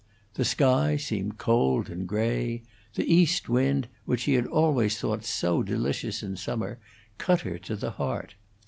The sky seemed cold and gray; the east wind, which she had always thought so delicious in summer, cut her to the heart.